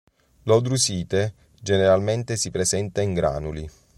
L'hodrušite generalmente si presenta in granuli.